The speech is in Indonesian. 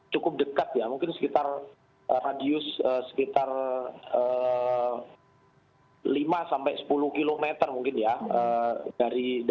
cukup dekat ya mungkin sekitar radius sekitar lima sampai sepuluh km mungkin ya